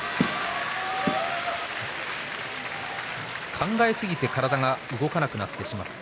考えすぎて体が動かなくなってしまった。